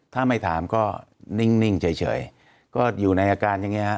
ถ้าไม่ถามก็นิ่งเฉยก็อยู่ในอาการอย่างนี้ฮะ